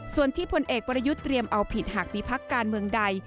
ส่วนที่พลเอกประยุทธ์เตรียมเอาผิดหากมีพักการเมืองใด